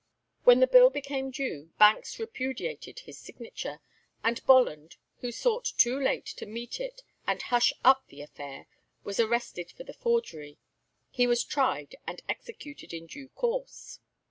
When the bill became due, Banks repudiated his signature, and Bolland, who sought too late to meet it and hush up the affair, was arrested for the forgery. He was tried and executed in due course.